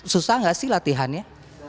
susah gak sih latihannya